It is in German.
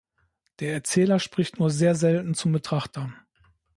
Der Erzähler spricht nur sehr selten zum Betrachter.